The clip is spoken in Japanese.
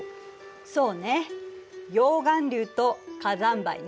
そうね溶岩流と火山灰ね。